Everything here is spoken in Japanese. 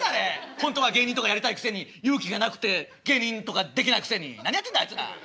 ほんとは芸人とかやりたいくせに勇気がなくて芸人とかできないくせに何やってんだあいつら。